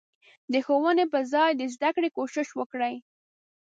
د ښوونې په ځای د زدکړې کوشش وکړي.